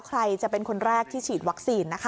ใครจะเป็นคนแรกที่ฉีดวัคซีนนะคะ